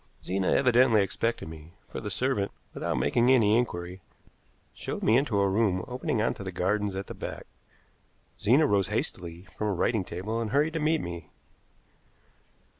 Zena evidently expected me, for the servant, without making any inquiry, showed me into a room opening on to the gardens at the back. Zena rose hastily from a writing table and hurried to meet me.